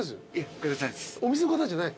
お店の方じゃない？